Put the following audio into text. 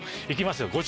いきますよ。